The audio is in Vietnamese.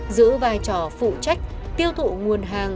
giữ vai trò phụ trách tiêu thụ nguồn hàng